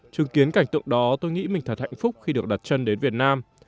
chứng kiến cảnh tượng đó tôi nghĩ mình thật hạnh phúc khi được đặt chân đến việt nam